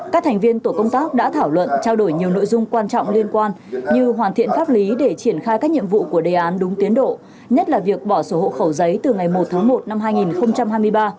các thành viên tổ công tác đã thảo luận trao đổi nhiều nội dung quan trọng liên quan như hoàn thiện pháp lý để triển khai các nhiệm vụ của đề án đúng tiến độ nhất là việc bỏ sổ hộ khẩu giấy từ ngày một tháng một năm hai nghìn hai mươi ba